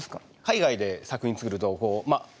海外で作品作るとまあ